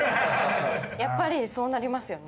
やっぱりそうなりますよね。